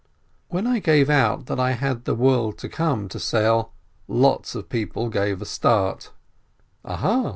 When I gave out that I had the world to come to sell, lots of people gave a start, "Aha